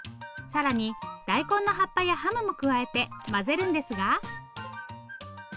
更に大根の葉っぱやハムも加えて混ぜるんですが。